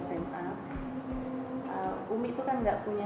saya inget betul harus jadi anak suksesnya